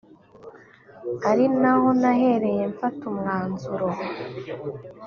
ari naho nahereye mfata umwanzuro